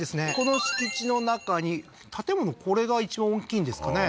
この敷地の中に建物これが一番大きいんですかね